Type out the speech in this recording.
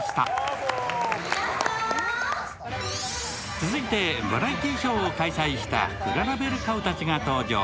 続いてバラエティーショーを開催したクララベル・カウたちが登場。